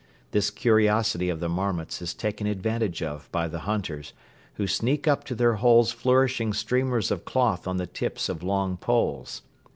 This curiosity of the marmots is taken advantage of by the hunters, who sneak up to their holes flourishing streamers of cloth on the tips of long poles.